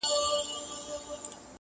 په اووه زورورو ورځو کي کيسه ده,